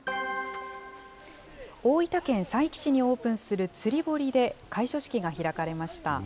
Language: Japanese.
大分県佐伯市にオープンする釣堀で、開所式が開かれました。